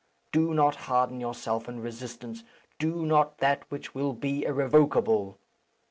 Do not harden yourself in resistance. Do not that which will be irrevocable.